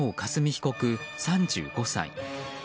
被告、３５歳。